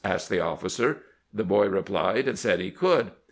' asked the of&cer. The boy tried, and said he could.